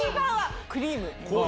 クリーム。